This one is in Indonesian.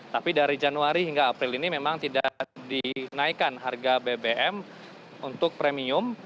tapi dari januari hingga april ini memang tidak dinaikkan harga bbm untuk premium